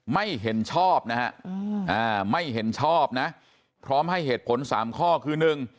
ไม่เห็นชอบนะฮะไม่เห็นชอบนะพร้อมให้เหตุผลสามข้อคือหนึ่ง